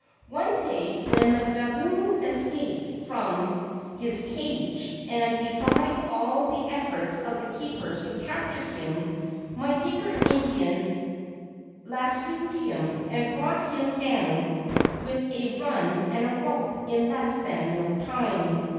One day when the baboon escaped from his cage, and defied all the efforts of the keepers to capture him, my Digger Indian lassooed him, and brought him down with a run and a rope in less than no time.